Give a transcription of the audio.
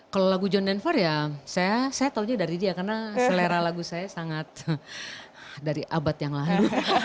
kalau lagu john denver ya saya taunya dari dia karena selera lagu saya sangat dari abad yang lalu